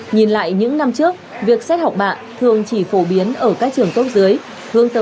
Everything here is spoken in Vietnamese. nhìn lại những năm trước việc xét học bạn thường chỉ phổ biến ở các trường đại học